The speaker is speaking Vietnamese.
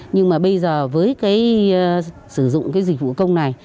nhưng mà bây giờ với cái sử dụng cái dịch vụ công này